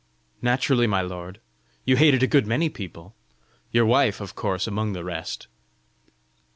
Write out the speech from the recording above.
"Naturally, my lord! You hated a good many people! your wife, of course, among the rest!"